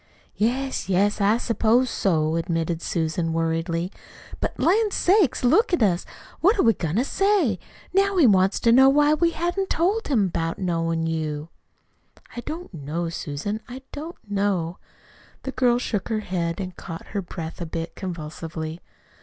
"Yes, yes, I s'pose so," admitted Susan worriedly. "But, lan' sakes, look at us! What are we goin' to say? Now he wants to know why we hain't told him about knowin' you." "I don't know, Susan, I don't know." The girl shook her head and caught her breath a bit convulsively.